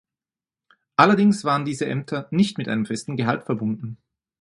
Allerdings waren diese Ämter nicht mit einem festen Gehalt verbunden.